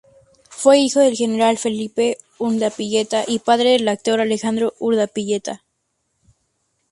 Fue hijo del general Felipe Urdapilleta y padre del actor Alejandro Urdapilleta.